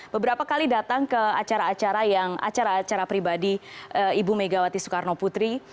beberapa kali datang ke acara acara pribadi ibu mega wati soekarno putri